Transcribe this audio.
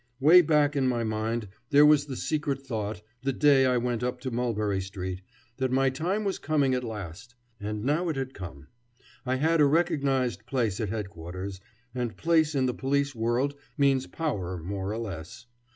Way back in my mind there was the secret thought, the day I went up to Mulberry Street, that my time was coming at last. And now it had come. I had a recognized place at Headquarters, and place in the police world means power, more or less.